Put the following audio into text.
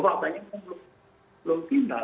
faktanya belum final